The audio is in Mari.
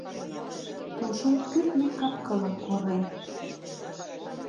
Тулшол кӱртньӧ кап-кылым корен